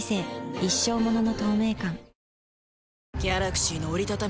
一生ものの透明感